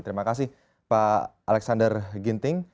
terima kasih pak alexander ginting